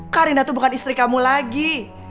karin itu bukan istri kamu lagi